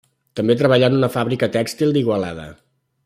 També treballà en una fàbrica tèxtil d'Igualada.